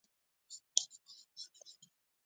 بېوزله کورنیو سره مرستې شاملې وې.